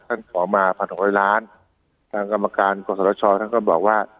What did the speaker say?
ขอมาพันหกร้อยล้านทางกรรมการกศชท่านก็บอกว่า